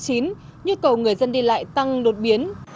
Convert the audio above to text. nhiều cầu người dân đi lại tăng đột biến